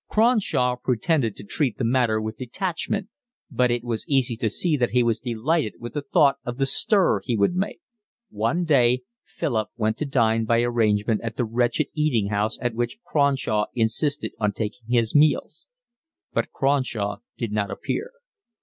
Cronshaw pretended to treat the matter with detachment, but it was easy to see that he was delighted with the thought of the stir he would make. One day Philip went to dine by arrangement at the wretched eating house at which Cronshaw insisted on taking his meals, but Cronshaw did not appear.